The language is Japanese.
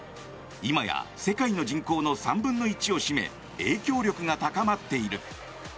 今や世界の人口の３分の１を占め影響力が高まっている。